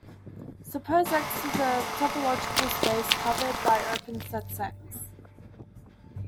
Suppose "X" is a topological space covered by open sets "X".